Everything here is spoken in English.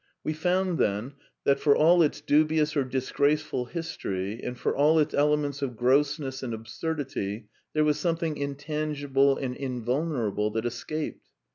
We found then that, for all its dubious or disgraceful history, and for all its elements of grossness and absurdity, there was some thing intangible and invulnerable that escaped.